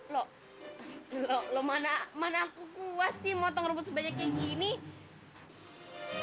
loh loh mana aku kuat sih potong rumput sebanyak kayak gini